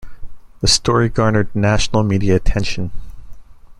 The story garnered national media attention.